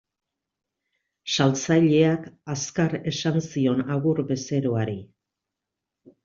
Saltzaileak azkar esan zion agur bezeroari.